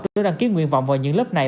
để đăng ký nguyên vọng vào những lớp này